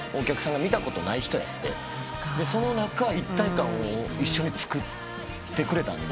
その中一体感を一緒につくってくれたんで。